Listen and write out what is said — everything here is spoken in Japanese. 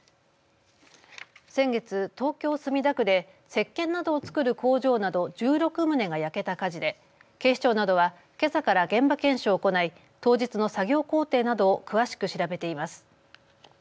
先月、東京、墨田区でせっけんなどを作る工場など１６棟が焼けた火事で警視庁などはけさから現場検証を行い当日の作業工程などを詳しく調べています。